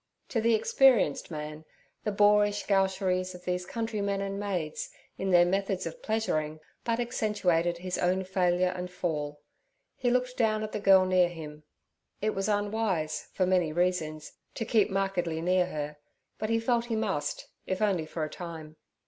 To the experienced man, the boorish gaucheries of these countrymen and maids in their methods of pleasuring, but accentuated his own failure and fall; he looked down at the girl near him. It was unwise, for many reasons, to keep markedly near her, but he felt he must, if only for a time.